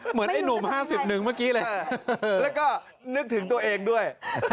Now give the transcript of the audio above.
เหมือนไอ้หนุ่ม๕๑เมื่อกี้เลยแล้วก็นึกถึงตัวเองด้วย